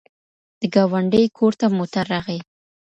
د ګاونډي کور ته موټر راغی.